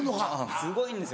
すごいんですよ